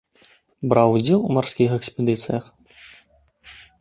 Браў удзел у марскіх экспедыцыях.